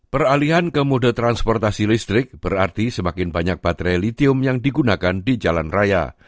peralihan ke mode transportasi listrik berarti semakin banyak baterai litium yang digunakan di jalan raya